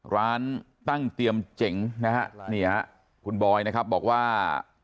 ร้านตั้งเตรียมเจ๋งนะฮะนี่ฮะคุณบอยนะครับบอกว่า